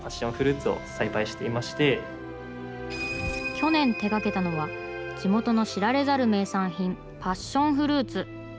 去年、手掛けたのは地元の知られざる名産品パッションフルーツ。